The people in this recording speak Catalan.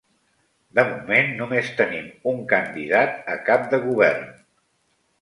De moment només tenim un candidat a cap de Govern.